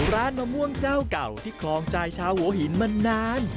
มะม่วงเจ้าเก่าที่ครองใจชาวหัวหินมานาน